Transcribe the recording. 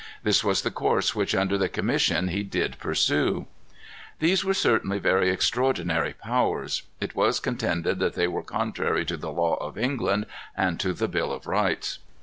This was the course which, under the commission, he did pursue. These were certainly very extraordinary powers. It was contended that they were contrary to the law of England and to the Bill of Rights.